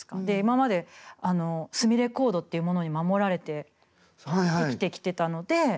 で今まですみれコードっていうものに守られて生きてきてたので。